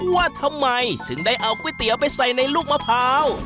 ว่าทำไมถึงได้เอาก๋วยเตี๋ยวไปใส่ในลูกมะพร้าว